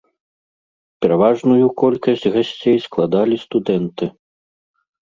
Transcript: Пераважную колькасць гасцей складалі студэнты.